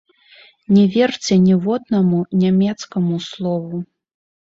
Не верце ніводнаму нямецкаму слову!